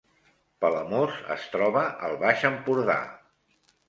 Palamós es troba al Baix Empordà